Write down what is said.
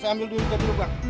saya ambil dulu jah dulu bang